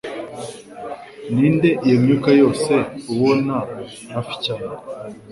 ninde iyo myuka yose ubona hafi cyane